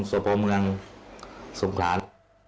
ด้านหลังหอพัก